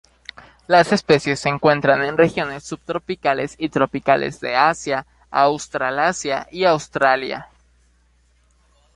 Las especies se encuentran en regiones subtropicales y tropicales de Asia, Australasia y Australia.